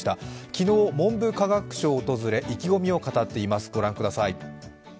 昨日文部科学省を訪れ意気込みを語っています。